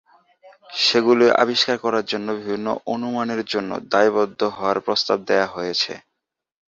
সেগুলি আবিষ্কার করার জন্য বিভিন্ন অনুমানের জন্য দায়বদ্ধ হওয়ার প্রস্তাব দেওয়া হয়েছে।